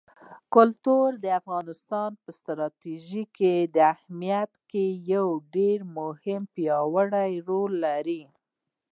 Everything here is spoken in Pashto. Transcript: کلتور د افغانستان په ستراتیژیک اهمیت کې یو ډېر مهم او پیاوړی رول لري.